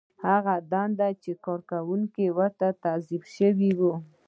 هغه دنده چې کارکوونکی ورته توظیف شوی وي.